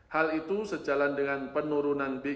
hal ini adalah sejauh ini diperlukan penyelenggaraan yang berbeda